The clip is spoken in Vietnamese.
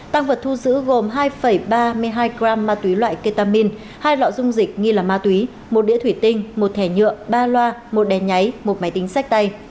tăng vật thu giữ gồm hai ba mươi hai gram ma túy loại ketamin hai lọ dung dịch nghi là ma túy một đĩa thủy tinh một thẻ nhựa ba loa một đèn nháy một máy tính sách tay